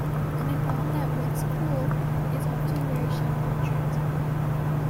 And I found that what's 'cool' is often very shallow and transient.